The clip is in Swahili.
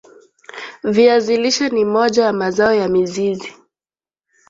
Viazi lishe ni moja ya mazao ya mizizi